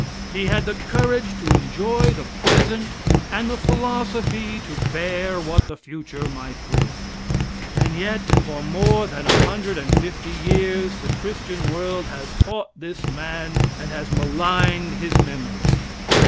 He had the courage to enjoy the present and the philosophy to bear what the future might bring. And yet for more than a hundred and fifty years the Christian world has fought this man and has maligned his memory.